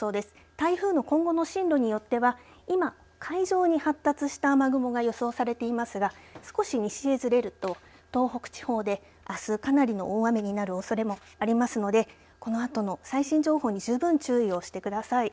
台風の今後の進路によっては今、海上に発達した雨雲が予想されていますが少し西にずれると、東北地方であす、かなりの大雨になるおそれもありますのでこのあとの最新情報に十分注意をしてください。